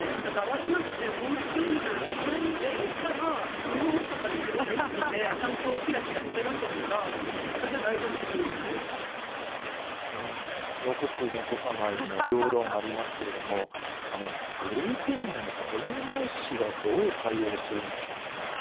がわじゃなくて本質みたいなところで言ったら、その人たちってまだ生きてて、ちゃんときらきらしてるわけだから、私は大丈夫って残す残さないの両論ありますけれども、グループ名の固有名詞はどう対応するんでしょうかね。